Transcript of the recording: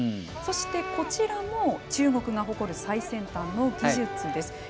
そして、こちらも中国が誇る最先端の技術です。